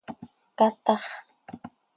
¡Catax!